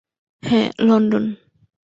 হ্যাঁ, লন্ডন।